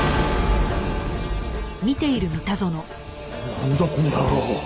なんだこの野郎。